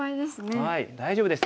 大丈夫です